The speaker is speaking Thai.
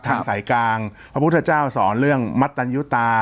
สายกลางพระพุทธเจ้าสอนเรื่องมัตตันยุตา